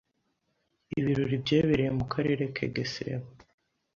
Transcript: Ibirori byebereye mu kerere ke Gesebo